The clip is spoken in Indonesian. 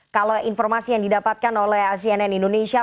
kalau informasi yang didapatkan oleh cnn indonesia